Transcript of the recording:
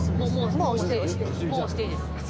もう押していいです。